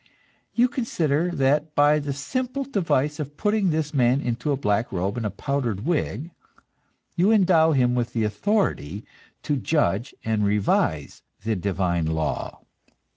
You consider that by the simple device of putting this man into a black robe and a powdered wig, you endow him with authority to judge and revise the divine law.